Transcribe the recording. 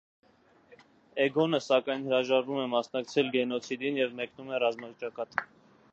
Էգոնը սակայն հրաժարվում է մասնակցել գենոցիդին և մեկնում է ռազմաճակատ։